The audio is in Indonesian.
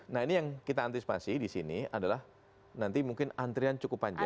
nah ini yang kita antisipasi di sini adalah nanti mungkin antrian cukup panjang